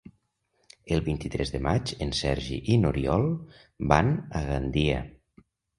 El vint-i-tres de maig en Sergi i n'Oriol van a Gandia.